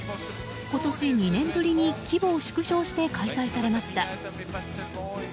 今年２年ぶりに規模を縮小して開催されました。